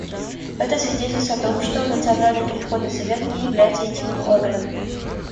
Это свидетельствует о том, что Национальный переходный совет не является единым органом.